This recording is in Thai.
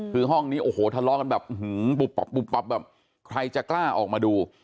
คือห้องนี้ทะเลาะกันแบบใครจะกล้าออกมาดู